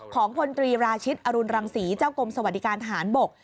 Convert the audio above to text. พลตรีราชิตอรุณรังศรีเจ้ากรมสวัสดิการทหารบก